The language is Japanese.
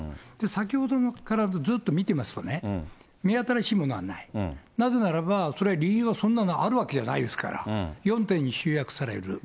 先ほどからずっと見てますとね、目新しいものはない、なぜならば、それは理由がそんなのあるわけじゃないですから、４点に集約される。